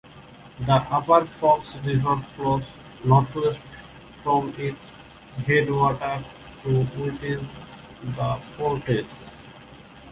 The upper Fox River flows northwest from its headwater to within the Portage.